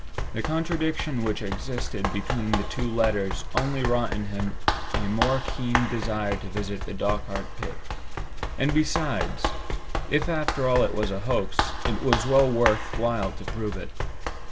The contradiction which existed between the two letters only wrought in him a more keen desire to visit the Dochart pit. And besides, if after all it was a hoax, it was well worth while to prove it.